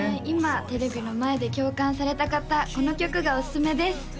今テレビの前で共感された方この曲がおすすめです